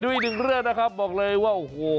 อีกหนึ่งเรื่องนะครับบอกเลยว่าโอ้โห